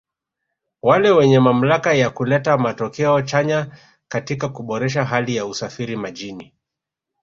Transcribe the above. wale wenye mamlaka ya kuleta matokeo chanya katika kuboresha hali ya usafiri majini